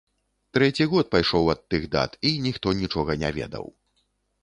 Трэці год пайшоў ад тых дат, і ніхто нічога не ведаў.